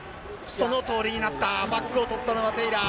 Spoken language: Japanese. そのとおりになった、バックを取ったのはテイラー。